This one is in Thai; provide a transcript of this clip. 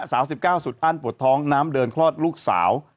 สาว๑๙สุดอั้นปวดท้องน้ำเดินคลอดลูกสาว